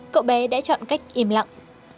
cậu bé đã chọn cách im lặng